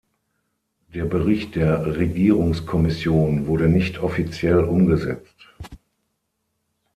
Der Bericht der Regierungskommission wurde nicht offiziell umgesetzt.